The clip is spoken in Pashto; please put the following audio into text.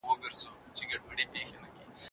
زده کړه د بدلون په مانا ده.